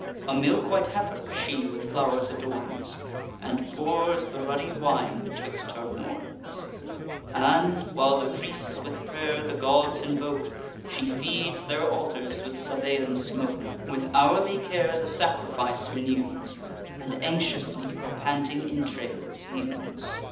A milk white heifer she with flow'rs adorns, And pours the ruddy wine betwixt her horns; And, while the priests with pray'r the gods invoke, She feeds their altars with Sabaean smoke, With hourly care the sacrifice renews, And anxiously the panting entrails views.